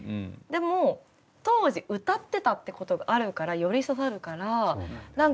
でも当時歌ってたってことがあるからより刺さるから何か。